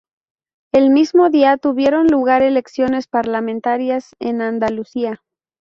El mismo día tuvieron lugar elecciones parlamentarias en Andalucía.